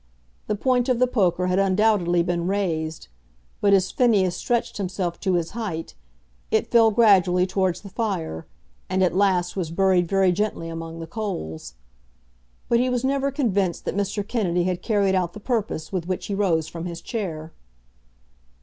The point of the poker had undoubtedly been raised; but as Phineas stretched himself to his height, it fell gradually towards the fire, and at last was buried very gently among the coals. But he was never convinced that Mr. Kennedy had carried out the purpose with which he rose from his chair.